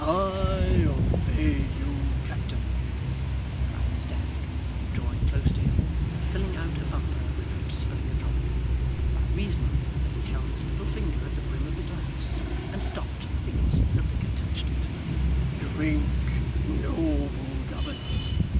'I obey you, captain,' cried Stagg, drawing close to him and filling out a bumper without spilling a drop, by reason that he held his little finger at the brim of the glass, and stopped at the instant the liquor touched it, 'drink, noble governor.